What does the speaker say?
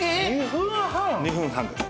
２分半です。